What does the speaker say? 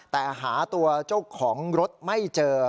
แต่หาตัวเจ้าของรถไม่เจอ